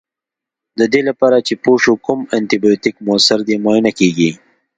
دې لپاره چې پوه شو کوم انټي بیوټیک موثر دی معاینه کیږي.